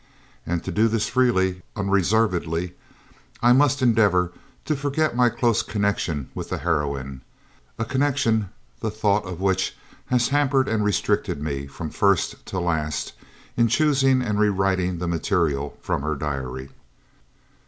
And to do this freely, unreservedly, I must endeavour to forget my close connection with the heroine, a connection the thought of which has hampered and restricted me, from first to last, in choosing and rewriting the material from her diary.